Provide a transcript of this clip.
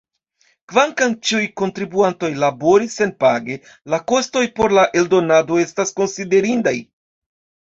Kvankam ĉiuj kontribuantoj laboris senpage, la kostoj por la eldonado estas konsiderindaj.